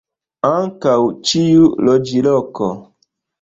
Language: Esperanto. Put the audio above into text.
Ankaŭ ĉiu loĝloko.